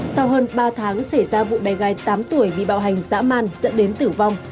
sau hơn ba tháng xảy ra vụ bé gái tám tuổi bị bạo hành dã man dẫn đến tử vong